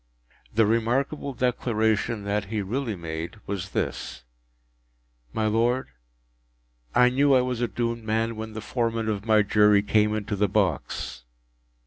” The remarkable declaration that he really made was this: “_My Lord_, I knew I was a doomed man, when the Foreman of my Jury came into the box.